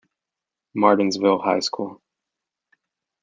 Martinsville High School.